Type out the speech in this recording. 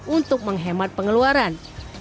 untuk menghemat pengeluaran